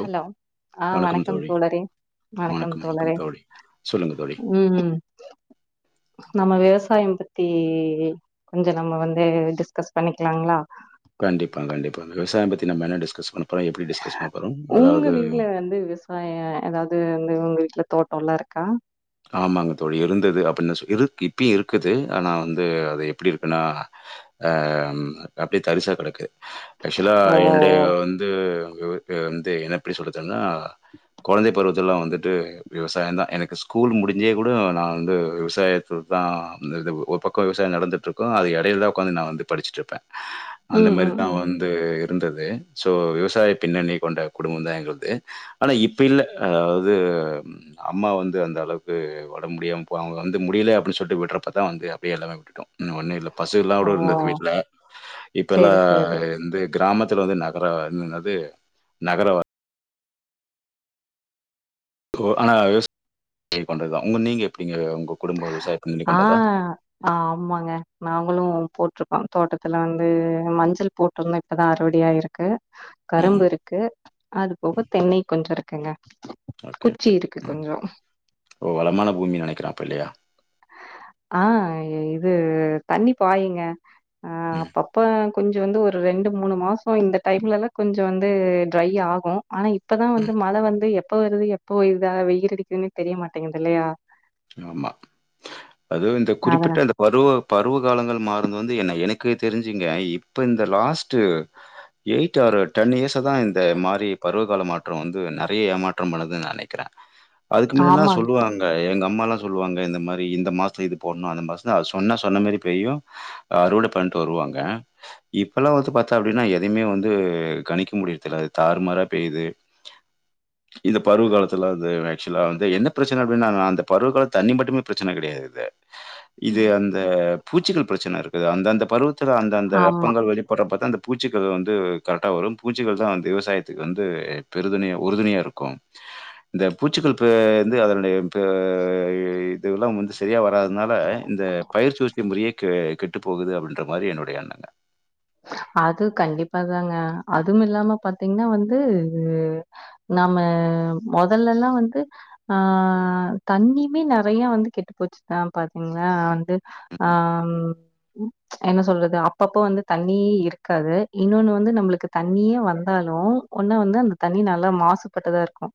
Hello ஆ வணக்கம் தோழரே வணக்கம் தோழரே தோழி சொல்லுங்க தோழி ம் நம்ம விவசாயம் பத்தி கொஞ்சம் நம்ம வந்து டிஸ்கஸ் பண்ணிக்களாங்களா கண்டிப்பா கண்டிப்பா விவசாயம் பத்தி நம்ம என்ன டிஸ்கஸ் பண்ணும் உங்க வீட்டுல வந்து விவசாயம் அதாவது வந்து உங்க வீட்ல தோட்டம்லாம் இருக்கா ஆமாங்க தோழி இருந்தது அப்படின்னு சொ இருக்கு இப்பயும் இருக்குது ஆனா வந்து அது எப்படி இருக்குன்னா அ அப்படியே தரிசா கெடக்கு ஆக்சுவலா ஓ என்னுடைய வந்து வந்து என்ன எப்படி சொல்றதுன்னா குழந்தை பருவத்துலாம் வந்துட்டு விவசாயம் தான் எனக்கு ஸ்கூல் முடிஞ்சே கூட நான் வந்து விவசாயத்து தான் இ ஒரு பக்கம் விவசாயம் நடந்துட்டுருக்கும் அது இடையில தான் உட்காந்து நான் வந்து படிச்சட்டுருப்பேன் அந்த ம் ம் மாரிதான் ம் வந்து இருந்தது சோ விவசாய பின்னணி கொண்ட குடும்பம் தான் எங்களது ஆனா இப்ப இல்ல அதாவது அம்மா வந்து அந்த அளவுக்கு உடம்பு முடியாமல் போனவுங்க வந்து முடியல அப்படின்னு சொல்லி விடறப்ப தான் வந்து அப்படியே எல்லாமே விட்டுடோம் ஒன்னும் இல்லை பசு இல்லாம் ஓ கூட இருந்தது வீட்டுல இப்ப சேரி எல்லாம் சேரி வந்து கிராமத் து நகர என்னது நகர ஆனா விவசாய கொண்டது தான் உங்க நீங்க எப்படிங்க உங்க குடும்ப விவசாயம் பண்ணி ஆ கொண்டதா ஆ ஆமாங்க நாங்களும் போட்டிருக் கோம் தோட்டத்துல வந்து மஞ்சள் போட்டுருந்தோம் இப்பதான் அறுவடை ஆயிருக்கு ம் ம் கரும்பு இருக்கு அது ம். போக தென்னை கொஞ்சம் இருக் குங்க ஓகே ஓகே ஓ வளமான பூமின்னு நெனைக்கிறேன் அப்போலே ஆ இது தண்ணி பாயுங்க ஆ ம் அப்பப்ப கொஞ்சம் வந்து ஒரு ரெண்டு மூணு மாதம் இந்த டைம்லலாம் கொஞ்சம் வந்து ட்ரை ஆகும் ஆனா இப்பதான் வந்து ம் மழ வந்து எப்போ வருது எப்போ இதா வெய்யில் அடிக்குதுன்னே தெரிய மாட்டேங்குது இல்லையா ஆமா அதுவும் இந்த அதன குறிப்பிட்ட அந்த பருவ பருவ காலங்கள் மாருந்து வந்து என்ன எனக்கு தெரிஞ்சுங்க இப்ப இந்த last eight or ten years தான் இந்த மாரி பருவ கால மாற்றம் வந்து நறைய ஏமாற்றம் பண்ணதுன்னு நான் நெனைக்கிறேன் அதுக்கு முன்னல்லாம் ஆமாங்க. சொல்லுவாங்க ஏங்க ம்மாலா சொல்வாங்க இந்த மாரி மாசோ இது போனு அந்த மாசந்தா அது சொன்னா சொன்ன மாரி பெய்யு அறுவட பண்ட்டு வருவாங்க இப்பெல்லா வந்து பாத்த அப்பிடின்னா எதிமே வந்து கணிக்க முடிதில தறுமார பெய்து இந்த பருவ காலத்த அது அக்க்ஷ்லா வந்து என்ன பிரச்சன அப்பிடினானா அந்த பருவக்கல தண்ணி மட்டுமே பிரச்சன கிடையாது இது அந்த பூச்சிகள் பிரச்சன இருக்குது அந்த அந்த பருவத் த்தல அந்த அந்த ஆமா. வெப்பங்கள் வெளிப்படற பாத்த அந்த பூச்சக்க வந்து கரெட்டா வரும் பூச்சிகள் தா விவசாயத்துக்கு வந்து பெரு துணையா உறுதுணையா இருக்கு இந்த பூச்சிகள் பெ இந்து அதனுடைய பெ ஆ இ இததெல்லா வந்து சரியா வராதனால இந்த பயிர்சுஸ்த்தி முறையே கெ கெட்டு போகுது அப்பிடின்ற மாரி என்னுடைய அது கண்டிப்பாதாங்க அதும் இல்லாம பாத்தீங்கன்னா வந்து நாம முதல்லல்லா வந்து ஆ தண்ணியுமே நெறைய வந்து கெட்டு போச்சிதா பாத்தீங்கன்னா வந்து ஆம் என்ன சொல்றது அப்பப்போ வந்து தண்ணியே இருக்காது இன்னொன்னு வந்து நம்மளுக்கு தண்ணியே வந்தாலு ஒன்னா வந்து அந்த தண்ணி நல்லா மாசுபட்டதா இருக்கு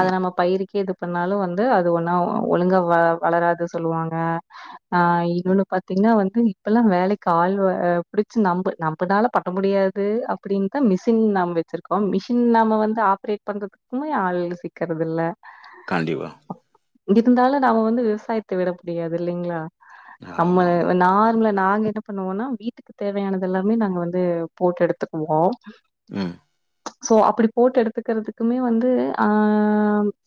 அத நம்ம பயிருக்கே எது இப்பனாலு வந்து அது ஒன்னா ஒழுங்கா வ வளராது சொல்லுவாங்க ஆ இன்னொன்னு பாத்தீங்கின்னா வந்து இப்பெல்லா வேலைக்கு ஆள் வ புடிச்சி நம்ப நம்பமனால பண்ண முடியாது அப்பிடின் தா மிஷின் நம் வச்சிருக்கோ மிஷின் நாம வந்து ஆப்ரேட் பண்ணுறதுக்குமே ஆள் சிக்கறதில்ல காண்டிப்பா இங்க இருந்தாலு நாம வந்து விவசாயத்த விட முடியாது இல்லிங்களா நம்மள ஆமாமா. வந் நார்மலா நாங்க ட்ட பண்ணுவோன்னா வீட்டுக் தேவையானதுல்லாமே நாங்க வந்து போட்டு எடுத்துக்குவோ ம் சோ அப்புடி போட்டு எடுத்துக்கறதுக்குமே வந்து ஆ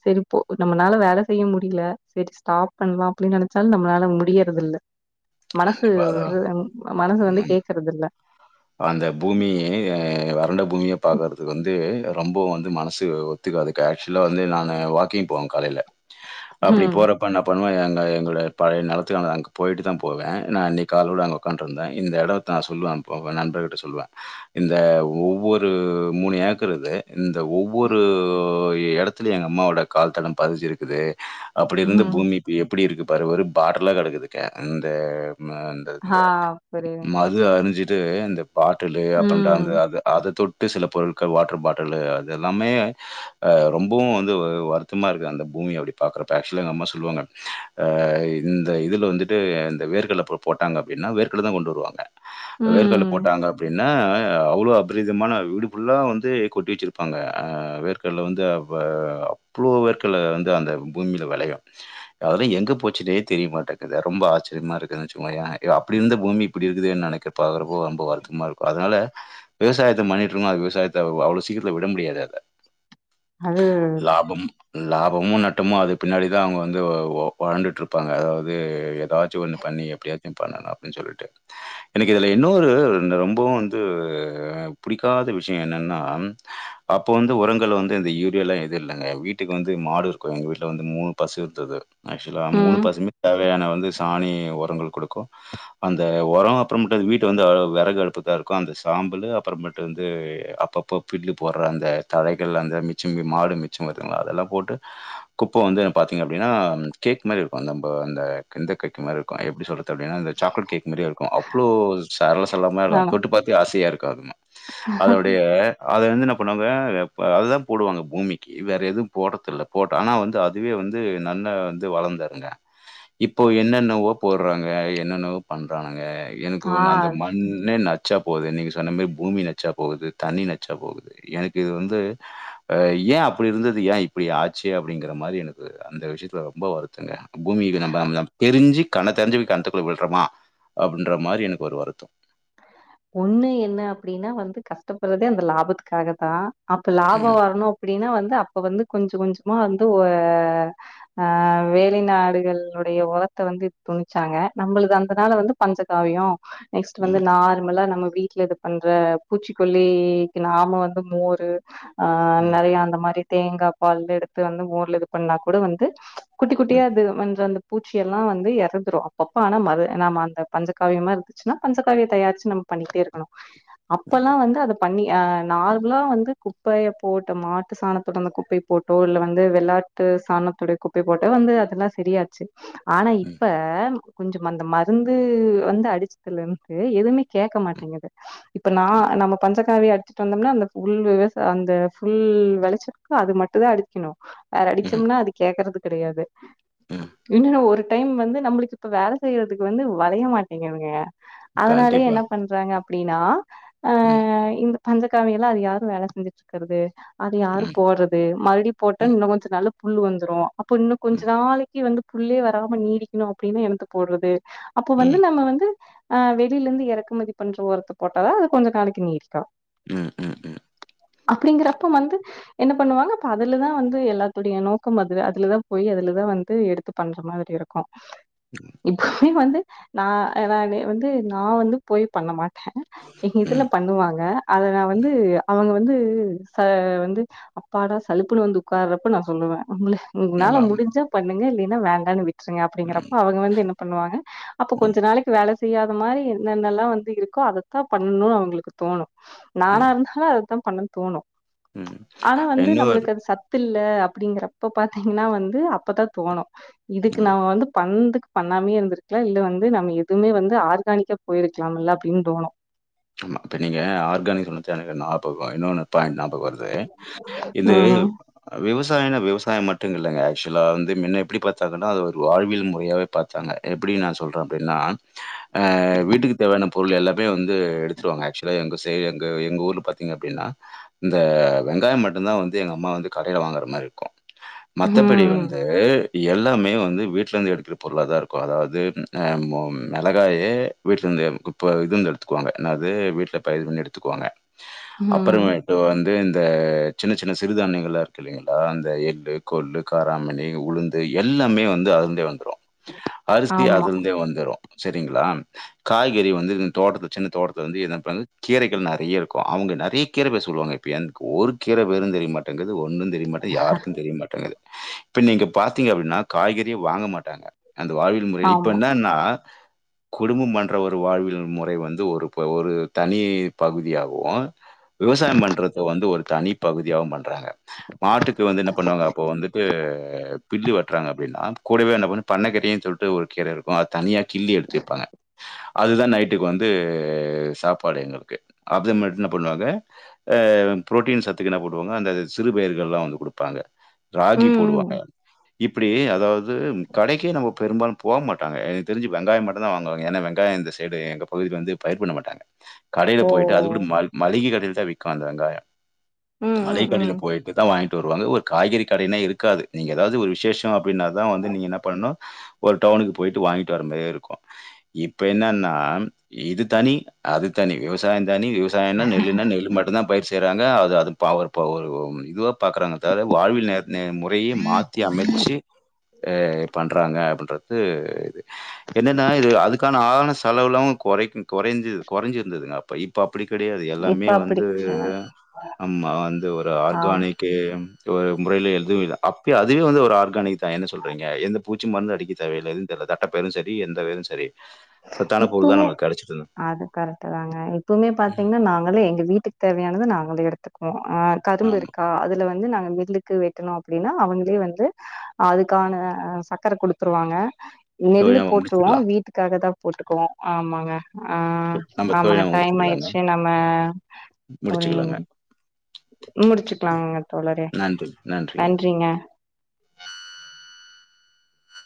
சேரி போ நம்மனால வேல செய்ய முடியல சேரி ஸ்டாப் பண்ணலா அப்பிடின்னு நெனச்சாலு நம்மளால முடியறது இல்ல மனசு கண்டிப்பா. அதான் விடற மனசு வந்து ம். ருதுல்ல அந்த பூமியே வறண்ட பூமியா பாக்குறதுக்கு வந்து ரொம்போ வந்து மனசு ஒத்துக்காது கக்சுவலா வந்து நானு வாக்கிங் போவே காலையில அப்பிடி ம், போறப்ப என்ன பண்ணுவ எங்க எங்கோளட பழைய நிலத் த்து அங்க போயிட்டு தா போவே நா இன்னக்கி காலோல அங்கு உட்கான்ட்டுருந்த இந்த இடத்தா சொல்லுவே போவ நண்பர்கிட்ட சொல்லுவே இந்த ஒவ்வொரு மூணு ஏக்குறது இந்த ஒவ்வொரு இடத்துலயு எங்க அம்மாவோட கால்தட பதிஞ்சிருக்குது அப்பிடி இருந்து ம். பூமி இப்ப எப் இப்பிடி இருக்குது பாரு ஒரு பாட்டலா கடக்குது க இந்த ம்ம இந்த இந்த ஆ புரியுது. மது அரிஞ்சி ட்டு இந்தப் பாட்டலு அப்புற இந்த அந்த ம், அது அத தொட் இப்பே சில பொருட்கள் வாட்டர் பாட்டலு அது எல்லாமே ஆ ரொம்பவு வந்து வருத்தமா இருக்கு அந்த பூமி அப்பிடி பாக்கறப்ப ஆக்சுவல எங்க அம்மா சொல்லுவாங்க ஆ இந்த இதுல வந்துட்டு இந்த வேர்கலப்ப அப்ப போட்டாங்க அப்பிடின்னா வேர்கல்ல தா கொண்டு வருவாங்க வேர்கல்ல ம். போட்டாங்க அப்டின் இன்னா அவ்ளோ அபரீதமான வீடுபுல்லா வந்து கொட்டி வச்சிருப்பாங்க ஆ வேர்கடல வந்து அப்ப அவ்ளோ வேற்கல்ல வந்து அந்த பூமியில வெளையு அதல்லா எங்க போச்சின்னே தெரிய மாட்டேங்கது ரொம்ப ஆச்சரியமா இருக்குது வச்சிகோங்க ஏன் ஏ அப்பிடி இருந்த பூமி இப்பிடி இருக்குதே நெனைக்க பாக்கறப்போ ரொம்ப வருத்தமாக இருக்கும் அதனால விவசாயத்த பண்ணிட்டு இருனா விவசாயத்த அவ்ளோ சீக்கிரத்துல விட முடியாது அத அது லாபம் லாபமு நட்டமு அது பின்னாடி தா அவுங்க வந்து ஒ வளண்டுட்டு இருப்பாங்க அதாவது எதாச்சி ஒண்ணு பண்ணி எப்டியா சென் பண்ணணு அப்டின் சொல்ட்டு எனக்கு இதுல இன்னொரு இந்த ரொம்பவு வந்து புடிக்காத விஷியம் என்னன்னா அப்போ வந்து உரங்கள் வந்து இந்த யூரியலா எதுவு இல்லங்க வீட்டுக்கு வந்து மாடு இருக்கும் எங்கள் வீட்ல வந்து மூணு பசு இருந்தது ஆக்சுவலா மூணு ம். பசுமே தேவையான வந்து சாணி ஒரங்கள் குடுக்கும் அந்த ஒரம் அப்புறமுட்டு அந்த வீட்ட வந்து வெறகு அடுப்புதா இருக்கும் அந்த சாம்பலு அப்புறமேட்டு வந்து அப்பப்போ பில்லு போடற அந்த தழைகள் அந்த மிச்சம் மாடு மிச்சம் வருதுங்களா அதெல்லாம் போட்டு குப்ப வந்து என் பாத்திங்க அப்டின்னா கேக் மாரி இருக்கும் நம்ப அந்த இந்த கேக் மாரி இருக்கும் எப்டி சொல்றது அப்டின்னா அந்த சாக்லேட் கேக் மாரியே இருக்கும் புளோ சேல செல்லாம இருக்கும் ஆமா. தொட்டு பாத்தே ஆசையா இருக் க்கதுமா அதனுடைய அத வந்து என்ன பண்ணுவாங்க இப்ப அதுதான் போடுவாங்க பூமிக்கு வேற எதுவும் போடறது இல்ல போட்ட ஆனா வந்து அதுவே வந்து நல்லா வந்து வளந்துருங்க இப்போ என்னென்னவோ போடறாங்க என்னென்னவோ பண்றானுங்க எனக்கு ஆ ஒன்னு அந்த மண்ணே நச் சா போவுது நீங்க சொன்ன மாரி பூமி நச்சா போகுது தண்ணி நச்சா போகுது எனக்கு இது வந்து ஆ ஏன் அப்டி இருந்தது ஏன் இப்டி ஆச்சு அப்படிங்கற மாரி எனக்கு அந்த விஷியத்துல ரொம்ப வருத்தங்க பூமிக்கு நம்ப அம் தெரிஞ்சி கண்ண தெரஞ்சி போயி கெணத்துக்குள்ள விழறமா அப் டின்ற மாரி எனக்கு ஒரு வருத்தம் ஒண்ணு என்ன அப்டின்னா வந்து கஷ்டப்படறதே அந்த லாபத்துக்காக தான் அப்ப லாபம் ம், வரணும் அப்டின்னா வந்து த அப்ப வந்து கொஞ்சம் கொஞ்சமா வந்து ஒ ஆ ஆ வெளிநாடுகளுடைய ஒரத்த வந்து துணிச்சாங்க நம்பளது அந்தனால வந்து பஞ்சகாவியம் து வந்து ம், நார்மலா நம்ம வீட்ல இது பண்ற பூச்சிக்கொல்லிக்கு நாம வந்து மோரு ஆ ம், நெறையா அந்த மாரி தேங்கா பால்ல எடுத்து வந்து மோர்ல இது பண்ணா கூட வந்து குட்டி குட்டியா ம், அது மன்ற அந்த பூச்சியெல்லா வந்து எறந்துரு அப்பப்போ ஆனா மறு நம்ம அந்த பஞ்சக்காவியமா இருந்துச்சுன்னா பஞ்சக்காவியை தயாரிச்சு நம்ம பண்ணிட்டே இருக்கணு ம், அப்பல்லா வந்து அத பண்ணிஆ நார்மலா வந்து குப்பைய போட்ட மாட்டு சாணத்தோட அந்த குப்பை போட்டோ இல்ல வந்து வெள்ளாட்டு சாணத்துடை குப்பையோ போட்டோ வந்து அதெல்லாம் சரியாச்சி ஆனா ம், இப்ப கொஞ்சம் அந்த மருந்து வந்து அடிச் ல இருந்து எதுவுமே கேக்க மாட்டேங்குது இப்ப நா நம்ம பஞ்ச சாவிய அடிச்சிட்டு வந்தோம்னா அந்த ஃபுல் விவச அந்த ஃபுல் வெளச்சறக்கு அது மட்டு தா அடிக்கணு வேற ம், அடிச்சோம்னா அது கேக்குறதுக்கு தெரியாது ம், ம். இன்னு ஒரு டைம் வந்து நம்மளுக்கு இப்ப வேல செய்யறதுக்கு வந்து வளைய மாட்டேங்துங்க அதனாலயே கண்டிப்பா. என்ன பண்றாங்க அப்டின்னா அ ம், இந்த பஞ்சக்காமிய எல்லா அது யாரு வேலை செஞ்சுட்டு இருக்கிறது அது யாரு ம், போடுறது மறுபடி ம், போட்டு ம், இன்னு கொஞ்சோ நாள்ல புல்லு வந்துரு அப்ப இன்னு கொஞ்ச ம், நாளைக்கு வந்து புல்லே வராம நீடிக்கணு அப்டின்னு என்னத்த போடுறது அப்ப வந்து ம், நம்ம வந்து ஆ வெளிலருந்து எறக்குமதி பண்ற ஓரத்த போட்டாதா அது கொஞ்ச நாளைக்கு நீடீக்கு ம் ம் ம் அப்டிங்கிறப்ப வந்து என்ன பண்ணுவாங்க அப்ப அதுலதா வந்து எல்லாத்துடைய நோக்கோ அது அதுலதா போய் அதுலதா வந்து எடுத்து பண்ற மாதிரி இருக்கு இப்பவுமே வந்து நா எனானே வந்து நா வந்து போய் பண்ண மாட் எங்க இதுல ம். பண்ணுவாங்க அத நா வந்து அவுங்க வந் வந்து சார் வந்து அப்பாடா சலிப்புன்னு வந்து உட்காறப்ப நா சொல்லுவே உங் உங்ளால ஆமாமா. முடிஞ்சா பண்ணுங்க இல்லி ல்ல வேண்டானு விட் ட்ருங்க ம், அப்டிங்கறப்போ அவுங்க வந்து என்ன பண்ணுவாங்க அப்ப ம், கொஞ்ச நாளைக்கு வேல செ செய்யாத மாதிரி என்னென்னெலா வந்து இருக்கோ அதத்தா பண்ணணும்னு அவுங்களுக்கு தோணு நானா ம், இருந்தாலு அதுதா பண்ண தோணும் ம். ஆனா வந்து இன்னொரு நம்மளுக்கு அது சத் இல்ல இல்ல அப்டிங்கிறப்ப பார்த்தீங்கன்னா வந்து அப்போ தான் தோணும் இதுக்கு ம். நாம வந்து பண்ணுற பண்ணாமே இருந்திருக்கலாம்இல்ல வந்து நம்ம எதுவுமே வந்து அது ஆர்கானிக்கா போயிருக்கலாம்ல்ல அப்டின்னு தோணு ஆ இப்ப நீங்க ஆர்கானிக் சொன்னத [unintelligible] நா அப்ப இன்னொனு பாயிண்ட் நியாபகம் வருது இது ம். விவசாயிங்கள் விவசாயம் மட்டும் இல்லைங்க ஆக்சுவலா வந்து முன்ன எப்படி பார்த்தாங்கன்னா அது ஒரு வாழ்வியல் முறையாவே பார்த்தாங்க எப்படி நான் சொல்றேன் அப்படின்னா வீட்டுக்கு தேவையான பொருள் எல்லாமே வந்து எடுத்துருவாங்க ஆக்சுவலா எ எ எங்க ஊர்ல பார்த்தீங்க அப்படின்னா இந்த வெங்காயம் மட்டும்தான் வந்து எங்க அம்மா வந்து கடையில் வாங்குற மாதிரி இருக்கும் மத்தபடி ம். வந்து எல்லாமே வந்து வீட்லருந்து எடுக்குற பொருளா தான் இருக்கும் அதாவது மிளகாயே வீட்டிலேருந்து இப்போ இதுருந்து எடுத்துக்குவாங்க அதாவது வீட்டில் பயிர் பண்ணி எடுத்துக்குவாங்க ம். அப்புறமேட்டு வந் து இந்த சின்ன சின்ன சிறுதானியங்களாம் இருக்கு இல்லைங்களா இந்த எள்ளு கொள்ளு காராமணி உளுந்து எல்லாமே வந்து அதுலயே வந்துடும் அரிசி ஆமா, அதுலந்தே வந்துரும் சரிங்களா காய்கறி வந்து இந்த தோட்டத்து சின்ன தோட்டத்துல கீரைகள் நறைய இருக்கும் அவுங்க நறைய கீரை பேரு சொல்வாங்க எனக்கு ஒரு கீரை பேரு தெரிய மாட்டேங்குது ஒரு ஒன்னும் தெரியமாட்டேங்குது யாருக்கும் தெரியமாட்டேங்குது இப்ப நீங்க பாத்தீங்க அப்டின்னா காய்கறி யே வாங்க மாட்டாங்க அந்த வாழ்வியல் முறை இப்ப ஆமா. என்னென்னா குடும்பம் பண்ற ஒரு வாழ்வியல் முறை வந்து இது ஒரு ஒரு தனி பகுதியாவும் விவசாயம் பண்றத வந்து ஒரு தனி பகுதியாவும் பண்றாங்க மாட்டுக்கு வந்து என்ன பண்ணுவாங்க அப்போ வந்துட்டு பில்லு வெட்டுறாங்க அப்படின்னா கூடவே என்ன பண் பண்ணைக்கட்டி சொல்ட்டு ஒரு கீரை இருக்கும் அதை தனியா கில்லி எடுத்துப்பாங்க அதுதான் நைட்டுக்கு வந் து சாப்பாடு எங்களுக்கு அது மாதிரி என்ன பண்ணுவாங்க அ புரோட்டீன் சத்துக்கு என்ன போடுவாங்க அந்த சிறுபயிர்கள் எல்லாம் வந்து கொடுப்பாங்க ம், ராகி போடுவாங்க ம். இப்படி அதாவது இது கடைக்கே நம்ம பெரும்பாலும் போ மாட்டாங்க எனக்கு தெரிஞ்சு வெங்காயம் மட்டும் தான் வாங்குவங்க ஏன்னா வெங்காயம் இந்த சைடு எங்க பகுதில வந்து பயிர் பண்ண மாட்டாங்க கடையில ஓ! போயிட்டு அது கூட மளிகை கடையில் தான் விக்கும் அந்த வெங்காயம் ம், ம், மளிகைக்கடியில ம். போயட்டு தான் வாங்கிட் டு வருவாங்க ஒரு காய்கறி கடைனே இருக்காது நீங்க ஏதாவது ஒரு விசேஷம் அப்படின்னா தான் வந்து நீங்க என்ன பண்ணணும் ஒரு டவுனுக்கு போயிட்டு வாங்கிட்டு வர மாதிரி இருக்கும் இப்ப என்னன்னா இது தனி அது தனி விவசாயம் தனி விவசாயன்னா நெல்லுன்னா நெல்லு மட்டும்தா பயிர் செய்யனு ங்க அது அது பவரு பவர் வ இதுவா பாக்றாங்க தவர வாழ்வியல் நேரத்த நே முறையே மாத்தி அமைச்சு அ பண்றாங்க அப்ப அடுத்து இது என்னன்னா இது அதுக்கான ஆவண செலவுலு கொறை கொறைஞ்ச கொறைஞ்சிருந்ததுங்க அப்ப இப்பப் அப்டி கெடையாது இப்ப எல்லாமே அப்படி வந்து கிடையாது. நம்ம வந்து ஒரு ஆமா. ஆர்கானிக்கு இங்க ஒரு முறையில எழுதுதவு இல்ல அப்பே அதுவே வந்து ஒரு ஆர்கானிக்தா என்ன சொல்றீங்க எது பூச்சி மருந்து அடிக்க தேவையில்ல எது தெர்ல தட்டப்ப பேரு சரி எந்த இது சரி சத்தான போருதா இப்பவுமே நமக் அது கரெக்ட் தாங்க இப்பவுமே பாத்தீங்கன்னா நாங்களு எங்க வீட்டுக்கு தேவையானது இது நாங்களு எடுத்துக்குவோ ஆ கரும்பு ஆமா இருக்கா அதுல வந்து நாங்க வில்லுக்கு வெட்டணு அப்டின்னா அவங்களே வந்து அதுக்கான சர்கக்கர குடுத்துருவாங்க நெல்லு தோழி நம்ம போட்டுருவோ முடிச்சுக்கலாம் வீட்டுக்கு அததா போட்டுக்குவோ ஆமாங்க ஆ நம்ம தோழி ஆமாங்க நம்ம டைம் முடிச்சுக்கலாங்க ஆயிடுச்சு நம்ம போய் முடிச்சுக்கலாங்க முடிச்சுக்கலாங்கங்க தோழரே நன்றி நன்றி நன்றிங்க